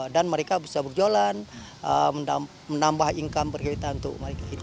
dan mereka bisa berjualan menambah income berkaitan untuk mereka gitu